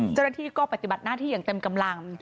เจ้าหน้าที่ก็ปฏิบัติหน้าที่อย่างเต็มกำลัง